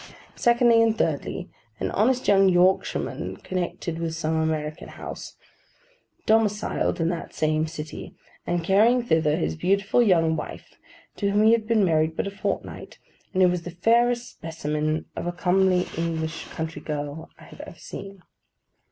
Secondly and thirdly, an honest young Yorkshireman, connected with some American house; domiciled in that same city, and carrying thither his beautiful young wife to whom he had been married but a fortnight, and who was the fairest specimen of a comely English country girl I have ever seen.